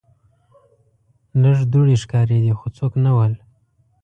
لږ دوړې ښکاریدې خو څوک نه ول.